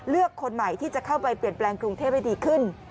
คนใหม่ที่จะเข้าไปเปลี่ยนแปลงกรุงเทพให้ดีขึ้น